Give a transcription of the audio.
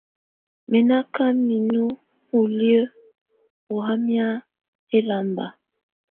Mɛ̀ nà ka minu uliǝ́ ɔ̀ wamɛ̀á ɛlamba.